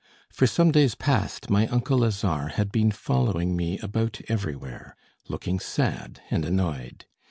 For some days past my uncle Lazare had been following me about everywhere, looking sad and annoyed.